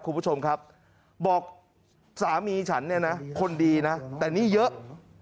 คุณผู้ชมครับบอกสามีฉันเนี่ยนะคนดีนะแต่นี่เยอะ